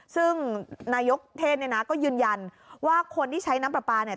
ซึ่งนายกเทศก็ยืนยันว่าคนที่ใช้น้ำปลาปลา